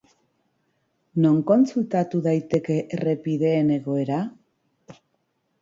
Non kontsultatu daiteke errepideen egoera?